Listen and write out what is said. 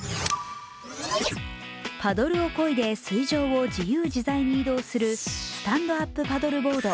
パドルをこいで水上を自由自在に移動するスタンドアップパドルボード